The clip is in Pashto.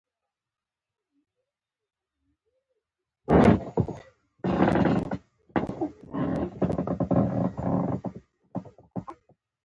د ژوند د شتون په معنا نه دی.